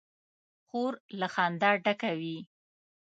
خور له خندا ډکه وي.